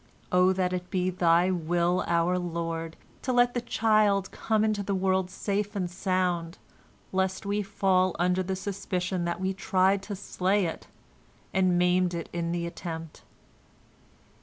O that it be Thy will, our Lord, to let the child come into the world safe and sound, lest we fall under the suspicion that we tried to slay it, and maimed it in the attempt."